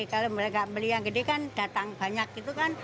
kalau mereka beli yang gede kan datang banyak gitu kan